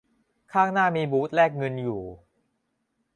ข้างหน้ามีบูธแลกเงินอยู่